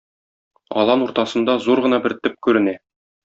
Алан уртасында зур гына бер төп күренә.